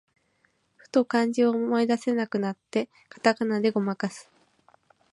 ふと漢字を思い出せなくなって、カタカナでごまかす